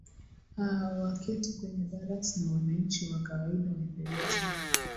aa waketi kwenye barracks na wananchi wa kawaida waendeleze